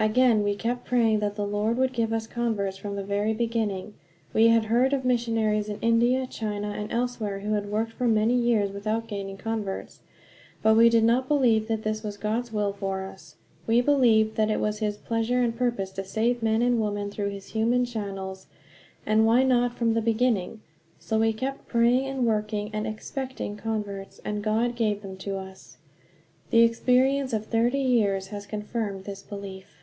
Again, we kept praying that the Lord would give us converts from the very beginning. We had heard of missionaries in India, China, and elsewhere, who had worked for many years without gaining converts; but we did not believe that this was God's will for us. We believed that it was his pleasure and purpose to save men and women through his human channels, and why not from the beginning? So we kept praying and working and expecting converts, and God gave them to us. The experience of thirty years has confirmed this belief.